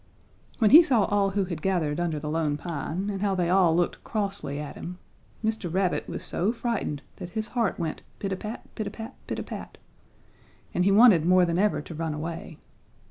"When he saw all who had gathered under the Lone Pine, and how they all looked crossly at him, Mr. Rabbit was so frightened that his heart went pit a pat, pit a pat, pit a pat, and he wanted more than ever to run away.